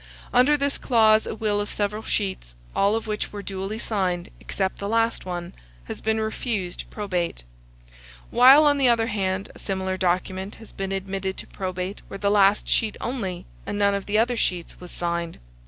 Under this clause, a will of several sheets, all of which were duly signed, except the last one, has been refused probate; while, on the other hand, a similar document has been admitted to probate where the last sheet only, and none of the other sheets, was signed.